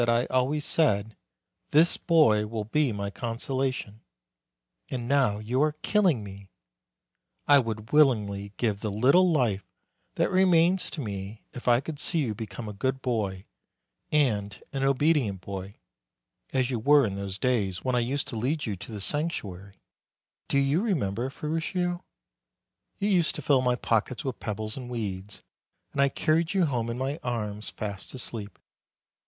I always said, 'This boy will be my consolation !' And now you are killing me ! I would willingly give the little life that remains to me if I could see you become a good boy, and an obedient boy, 192 MARCH as you were in those days when I used to lead you to the sanctuary do you remember, Ferruccio? You used to fill my pockets with pebbles and weeds, and I carried you home in my arms, fast asleep.